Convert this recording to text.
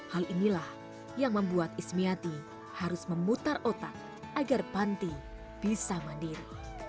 hal inilah yang membuat ismiati harus memutar otak agar panti bisa mandiri